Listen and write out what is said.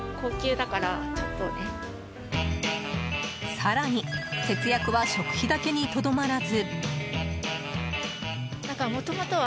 更に節約は食費だけにとどまらず。